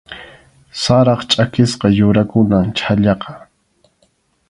Sarap chʼakisqa yurakunam chhallaqa.